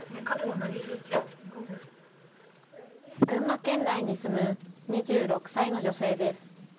群馬県内に住む２６歳の女性です。